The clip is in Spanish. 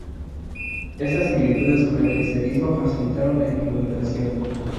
Estas similitudes con el cristianismo facilitaron la infiltración.